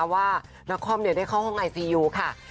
ว่านักคอมได้เข้าห้องไอซียูค่ะ